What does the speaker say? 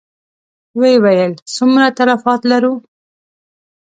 ويې ويل: څومره تلفات لرو؟